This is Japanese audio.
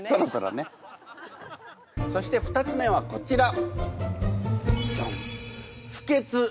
そして２つ目はこちら。